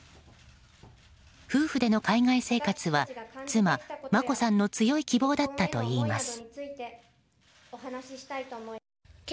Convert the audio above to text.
夫婦での海外生活は妻・眞子さんの強い希望だったといいます。